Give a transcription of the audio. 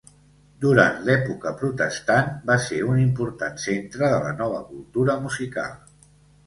Durant l'època protestant, va ser un important centre de la nova cultura musical.